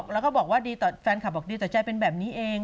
แล้วก็บอกว่าดีต่อแฟนคลับบอกดีต่อใจเป็นแบบนี้เอง